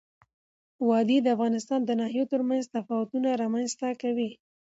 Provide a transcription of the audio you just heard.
وادي د افغانستان د ناحیو ترمنځ تفاوتونه رامنځ ته کوي.